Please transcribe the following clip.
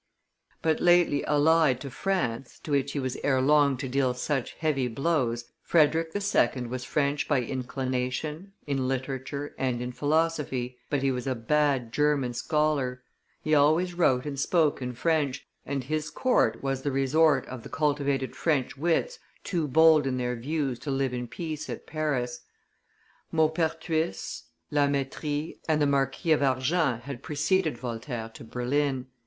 But lately allied to France, to which he was ere long to deal such heavy blows, Frederick II. was French by inclination, in literature and in philosophy; he was a bad German scholar; he always wrote and spoke in French, and his court was the resort of the cultivated French wits too bold in their views to live in peace at Paris. Maupertuis, La Mettrie, and the Marquis of Argens had preceded Voltaire to Berlin.